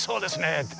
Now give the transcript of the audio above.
って。